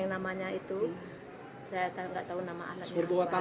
kenapa nggak ada izin